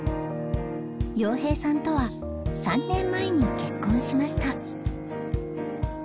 洋平さんとは３年前に結婚しました。